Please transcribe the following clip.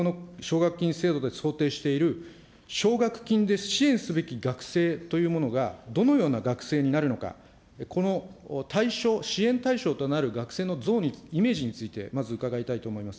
そもそも政府が、現行の奨学金制度で想定している、奨学金で支援すべき学生というものが、どのような学生になるのか、この対象、支援対象となる学生のイメージについて、まず伺いたいと思います。